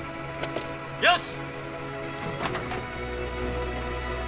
よし！